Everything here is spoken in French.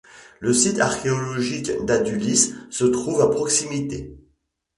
Le site archéologique d'Adulis se trouve à proximité.